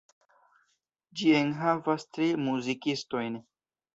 Ĝi enhavas tri muzikistojn.